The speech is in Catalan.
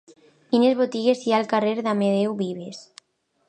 Quines botigues hi ha al carrer d'Amadeu Vives?